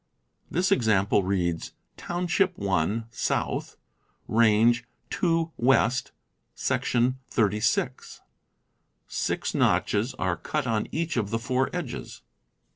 201 This example reading "Township 1 South, Range 2 West, Section 36." Six notches are cut on each of the four edges.